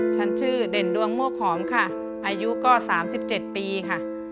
ฉันชื่อเด่นดวงโม่หอมค่ะอายุก็๓๗ปีค่ะ